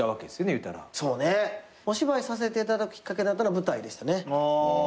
お芝居させていただくきっかけだったのは舞台でしたね。